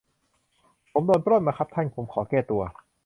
ผมโดนปล้นมาครับท่าน ผมขอแก้ตัว